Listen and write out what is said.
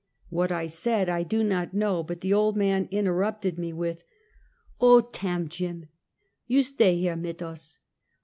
What I said I do not know, but the old man interrupted me with: " Oh tamm Jim. You stay here mit us.